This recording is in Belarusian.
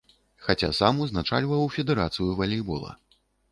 Хаця сам узначальваў федэрацыю валейбола.